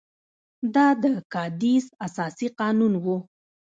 دا د کادیس اساسي قانون وو.